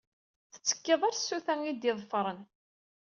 Tettekkiḍ ar tsuta i d-iḍefṛen.